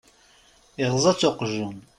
Iɣeẓẓa-tt uqjun.